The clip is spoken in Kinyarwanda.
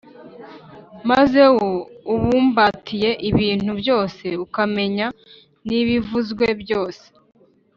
maze wo ubumbatiye ibintu byose, ukamenya n’ibivuzwe byose.